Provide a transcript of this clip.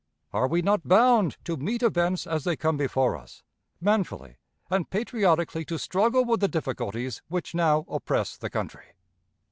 Are we not bound to meet events as they come before us, manfully and patriotically to struggle with the difficulties which now oppress the country?